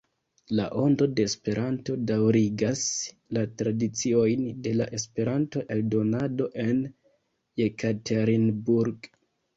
La Ondo de Esperanto daŭrigas la tradiciojn de la esperanto-eldonado en Jekaterinburg.